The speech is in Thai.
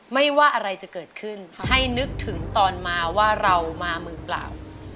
ไม่ว่าอะไรจะเกิดขึ้นให้นึกถึงตอนมาว่าเรามามือเปล่า